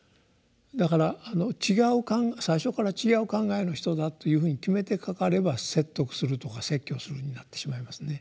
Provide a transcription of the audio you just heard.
だから最初から違う考えの人だというふうに決めてかかれば説得するとか説教するになってしまいますね。